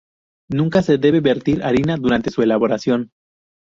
Nunca se debe verter harina durante su elaboración.